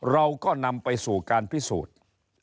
เราก็นำไปสู่การพิสูจน์